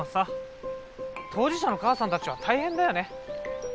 当事者の母さんたちは大変だよね。